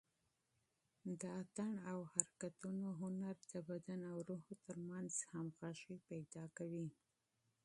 د نڅا او حرکاتو هنر د بدن او روح تر منځ همغږي پیدا کوي.